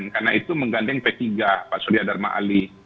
karena itu menggandeng p tiga pak surya dharma ali